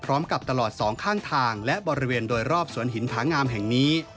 ตลอดสองข้างทางและบริเวณโดยรอบสวนหินผางามแห่งนี้